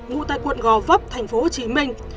ngụ tại quận gò vấp thành phố hồ chí minh